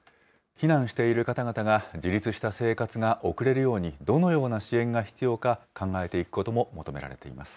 避難している方々が、自立した生活が送れるように、どのような支援が必要か考えていくことも求められています。